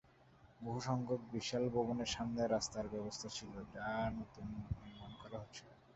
বহু সংখ্যক বিশাল ভবনের সামনে রাস্তার ব্যবস্থা ছিল বা নতুনভাবে নির্মান করা হচ্ছিল।